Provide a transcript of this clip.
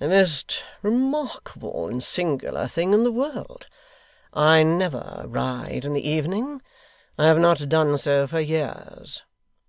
The most remarkable and singular thing in the world. I never ride in the evening; I have not done so for years.